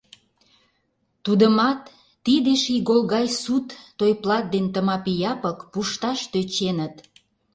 Тудымат тиде шийгол гай сут Тойплат ден Тымапи Япык пушташ тӧченыт.